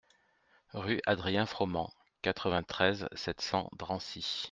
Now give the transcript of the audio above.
Rue Adrien Froment, quatre-vingt-treize, sept cents Drancy